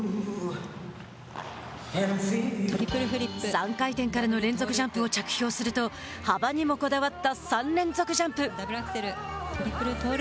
３回転からの連続ジャンプを着氷すると幅にもこだわった３連続ジャンプ。